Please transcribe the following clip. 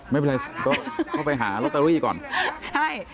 ไม่เป็นไรก็เข้าไปหาลอตเตอรี่ก่อนใช่